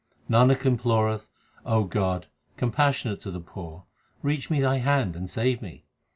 Nanak imploreth O God, compassionate to the poor, reach me Thy hand and save me.